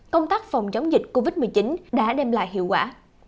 công tác phòng chống dịch covid một mươi chín đã đem lại hiệu quả